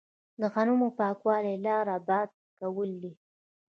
د غنمو د پاکولو لاره باد کول دي.